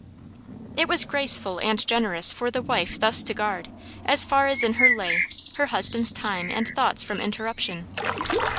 It was graceful and generous for the wife thus to guard, as far as in her lay, her husband's time and thoughts from interruption.